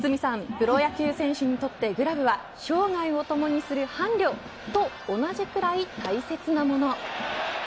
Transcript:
プロ野球選手にとってグラブは生涯をともにする伴侶と同じくらい大切なもの。